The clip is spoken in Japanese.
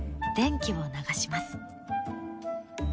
電気を流します。